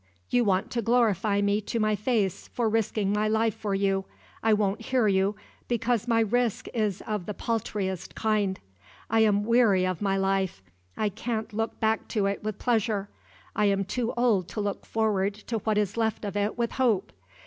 You want to glorify me to my face for risking my life for you. I won't hear you, because my risk is of the paltriest kind. I am weary of my life. I can't look back to it with pleasure. I am too old to look forward to what is left of it with hope.